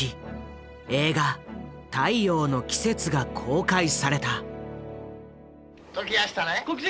映画「太陽の季節」が公開された。